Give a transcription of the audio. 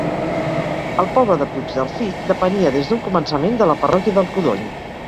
El poble de Puigdelfí depenia des d'un començament de la parròquia del Codony.